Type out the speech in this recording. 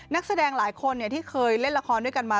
นักแสดงหลายคนที่เคยเล่นละครด้วยกันมา